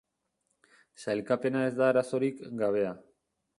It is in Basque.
Sailkapena ez da arazorik gabea.